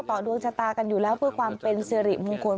ดวงชะตากันอยู่แล้วเพื่อความเป็นสิริมงคล